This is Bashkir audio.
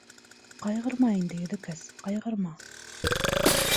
— Ҡайғырма инде, Йөҙөкәс, ҡайғырма.